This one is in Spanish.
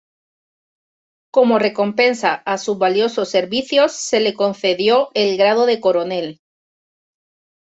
Como recompensa a sus valiosos servicios, se le concedió el grado de coronel.